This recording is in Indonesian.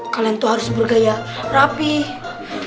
kalian tuh harus bergaya rapih